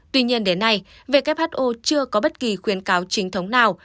tuy nhiên đến nay who chưa có bất kỳ khuyến cáo chính thống nào